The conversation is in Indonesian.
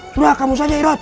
sudah kamu saja irot